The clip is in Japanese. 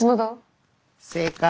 正解！